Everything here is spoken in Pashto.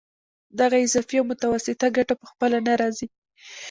دغه اضافي او متوسطه ګټه په خپله نه راځي